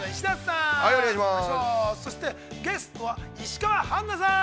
そしてゲストは石川花さん。